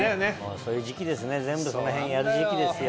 そういう時期ですね全部その辺やる時期ですよ。